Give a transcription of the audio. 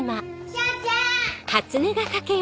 彰ちゃん！